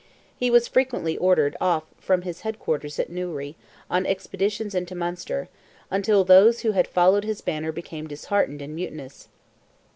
He was frequently ordered off from his head quarters at Newry, on expeditions into Munster, until those who had followed his banner became disheartened and mutinous.